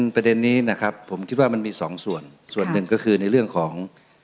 ประเด็นนี้นะครับผมคิดว่ามันมีสองส่วนส่วนหนึ่งก็คือในเรื่องของ